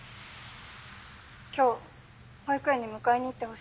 今日保育園に迎えに行ってほしいんですけど。